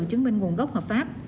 chứng minh nguồn gốc hợp pháp